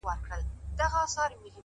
پرمختګ د نن له کوچنیو ګامونو جوړېږي؛